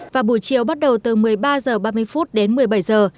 và buổi chiều bắt đầu từ một mươi ba h ba mươi phút đến một mươi bảy giờ